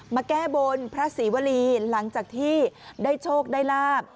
มาแก้บนพระศรีวรีหลังจากที่ได้โชคได้ลาบ